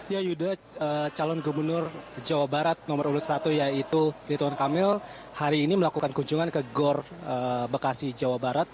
ya yuda calon gubernur jawa barat nomor urut satu yaitu rituan kamil hari ini melakukan kunjungan ke gor bekasi jawa barat